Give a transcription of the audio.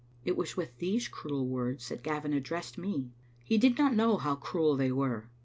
" It was with these cruel words that Gavin addressed me. He did not know how cruel they were.